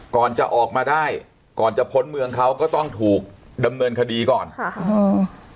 ก่อนจะออกมาได้ก่อนจะพ้นเมืองเขาก็ต้องถูกดำเนินคดีก่อนค่ะอืม